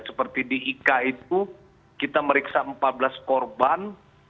seperti di ika itu kita meriksa empat belas korban